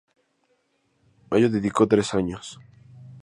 A ello dedicó tres años.